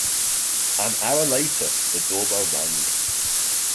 An hour later, the doorbell rang.